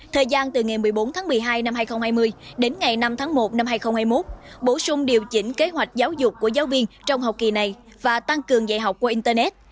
thời gian từ ngày một mươi bốn tháng một mươi hai năm hai nghìn hai mươi đến ngày năm tháng một năm hai nghìn hai mươi một bổ sung điều chỉnh kế hoạch giáo dục của giáo viên trong học kỳ này và tăng cường dạy học qua internet